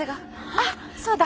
あっそうだ。